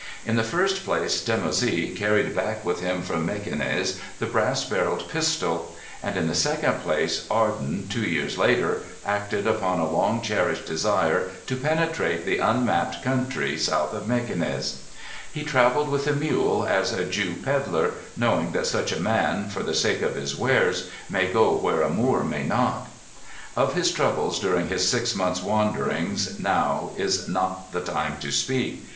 In the first place Dimoussi carried back with him from Mequinez the brass barrelled pistol; and in the second place Arden, two years later, acted upon a long cherished desire to penetrate the unmapped country south of Mequinez. He travelled with a mule as a Jew pedlar, knowing that such a man, for the sake of his wares, may go where a Moor may not. Of his troubles during his six months' wanderings now is not the time to speak.